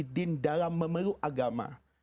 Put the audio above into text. dalam memeluk agama